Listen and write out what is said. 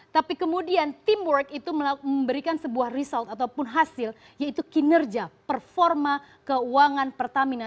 tapi kemudian teamwork itu memberikan sebuah result ataupun hasil yaitu kinerja performa keuangan pertamina